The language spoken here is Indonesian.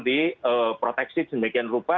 diproteksi semegian rupa